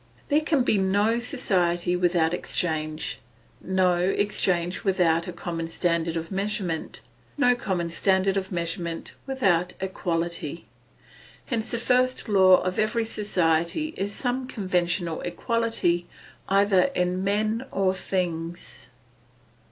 There can be no society without exchange, no exchange without a common standard of measurement, no common standard of measurement without equality. Hence the first law of every society is some conventional equality either in men or things.